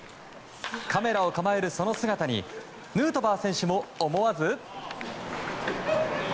カメラを構えるその姿にヌートバー選手も思わず。